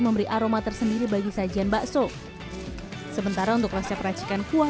memberi aroma tersendiri bagi sajian bakso sementara untuk resep racikan kuah